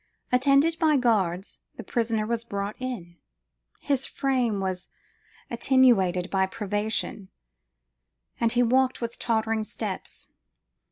Attended by guards, the prisoner was brought in: his frame was attenuated by privation, and he walked with tottering steps.